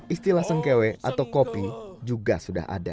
istilah sengkewe atau kopi juga sudah ada